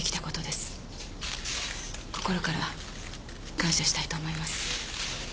心から感謝したいと思います。